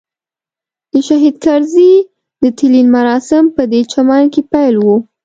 د شهید کرزي د تلین مراسم پدې چمن کې پیل وو.